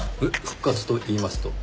復活といいますと？